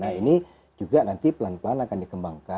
nah ini juga nanti pelan pelan akan dikembangkan